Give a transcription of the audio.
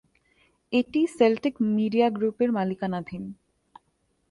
এটি Celtic media গ্রুপের মালিকানাধীন।